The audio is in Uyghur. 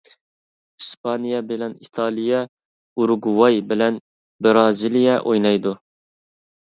ئىسپانىيە بىلەن ئىتالىيە، ئۇرۇگۋاي بىلەن بىرازىلىيە ئوينايدۇ.